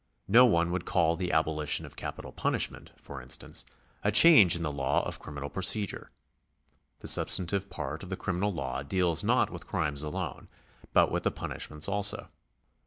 No one would call the abolition of capital punishment, for instance, a change in the law of criminal procedure. The substantive part of the criminal law deals not with crimes alone, but with punishments also.